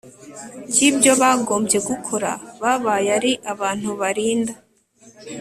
cyibyo bagombye gukora babaye ari abantu birinda